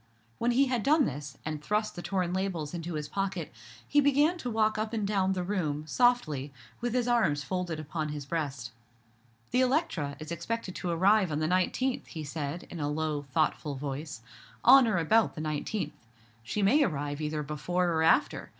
When he had done this, and thrust the torn labels into his pocket, he began to walk up and down the room, softly, with his arms folded upon his breast. "The Electra, is expected to arrive on the nineteenth," he said, in a low, thoughtful voice, "on or about the nineteenth. She may arrive either before or after.